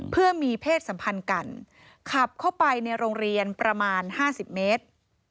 เพื่อมีเพศสัมพันธ์กันขับเข้าไปในโรงเรียนประมาณ๕๐เมตร